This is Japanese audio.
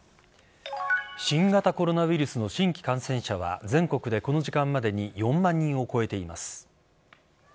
新型コロナウイルスの新規感染者は全国でこの時間までに４万人を超えています。